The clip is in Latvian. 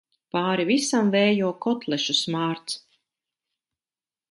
Pāri visam vējo kotlešu smārds.